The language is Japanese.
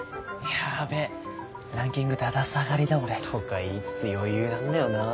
やべえランキングだだ下がりだ俺。とか言いつつ余裕なんだよなあ。